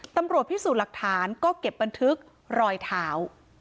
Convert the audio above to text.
ตำรวจพิสูจน์หลักฐานก็เก็บบันทึกรอยเท้า